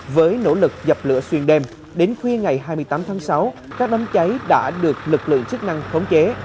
với nỗ lực dập lửa xuyên đêm đến khuya ngày hai mươi tám tháng sáu các đám cháy đã được lực lượng chức năng khống chế